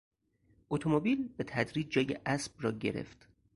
اتومبیل به تدریج جای اسب را گرفت.